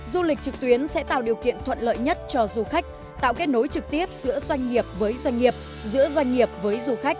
du lịch trực tuyến sẽ tạo điều kiện thuận lợi nhất cho du khách tạo kết nối trực tiếp giữa doanh nghiệp với doanh nghiệp giữa doanh nghiệp với du khách